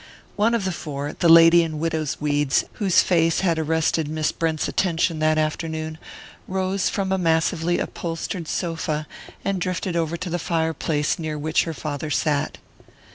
One of the four, the young lady in widow's weeds whose face had arrested Miss Brent's attention that afternoon, rose from a massively upholstered sofa and drifted over to the fireplace near which her father sat.